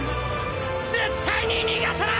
絶対に逃がさない！